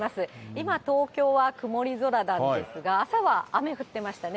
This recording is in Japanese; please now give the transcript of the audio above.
今、東京は曇り空なんですが、朝は雨降ってましたね。